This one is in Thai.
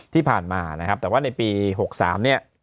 ที่ผ่านมานะครับแต่ว่าในปี๖๓เนี่ย